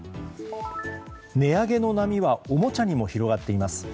値上げの波はおもちゃにも広がっています。